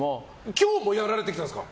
今日もやられてきたんですか？